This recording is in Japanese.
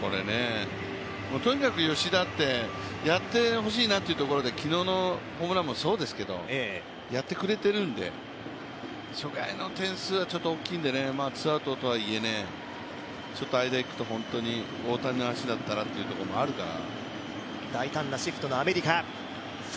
とにかく吉田ってやってほしいなというところで昨日のホームランもそうですけどやってくれているので、初回の点数はちょっと大きいので、ツーアウトとはいえちょっと間いくと、大谷の足だったらというところもあるから。